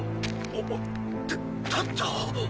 た立った！